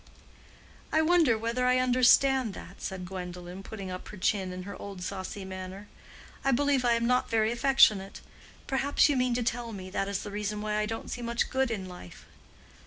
"I wonder whether I understand that," said Gwendolen, putting up her chin in her old saucy manner. "I believe I am not very affectionate; perhaps you mean to tell me, that is the reason why I don't see much good in life."